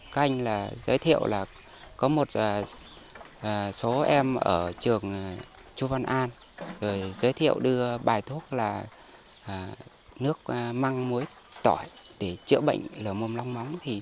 chú văn an giới thiệu đưa bài thuốc là nước măng muối tỏi để chữa bệnh lửa mồm long móng